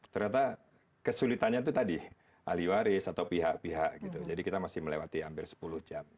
ternyata kesulitannya itu tadi ahli waris atau pihak pihak gitu jadi kita masih melewati hampir sepuluh jam